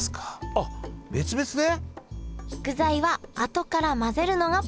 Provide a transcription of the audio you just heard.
あっ別々で？